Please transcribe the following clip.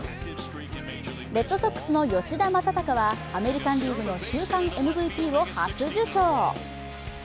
レッドソックスの吉田正尚はアメリカン・リーグの週間ＭＶＰを初受賞。